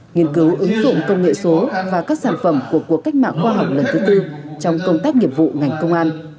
nghiên cứu ứng dụng công nghệ số và các sản phẩm của cuộc cách mạng khoa học lần thứ tư trong công tác nghiệp vụ ngành công an